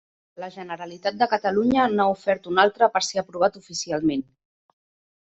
La Generalitat de Catalunya n'ha ofert un altre per ser aprovat oficialment.